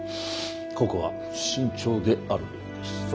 ここは慎重であるべきです。